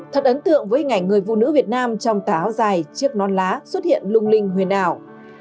thật ấn tượng với hình ảnh người phụ nữ việt nam trong tà áo dài chiếc non lá xuất hiện lung linh huyền ảo